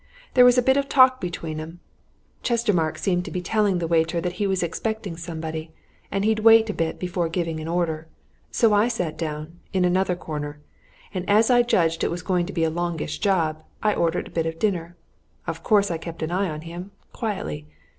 There was a bit of talk between 'em Chestermarke seemed to be telling the waiter that he was expecting somebody, and he'd wait a bit before giving an order. So I sat down in another corner and as I judged it was going to be a longish job, I ordered a bit of dinner. Of course I kept an eye on him quietly.